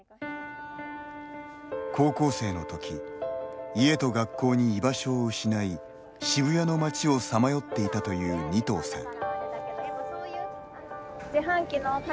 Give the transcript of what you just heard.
高校生のとき、家と学校に居場所を失い、渋谷の街をさまよっていたという仁藤さん。